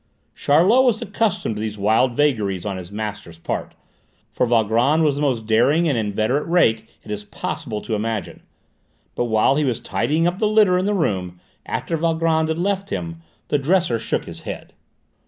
Charlot was accustomed to these wild vagaries on his master's part, for Valgrand was the most daring and inveterate rake it is possible to imagine. But while he was tidying up the litter in the room, after Valgrand had left him, the dresser shook his head.